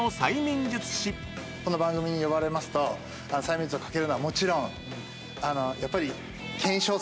この番組に呼ばれますと催眠術をかけるのはもちろんやっぱり。